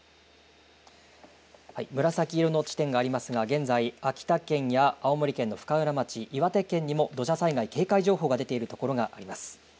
紫色の地点がありますが現在、秋田県や青森県の深浦町、岩手県にも土砂災害警戒情報が出ている所があります。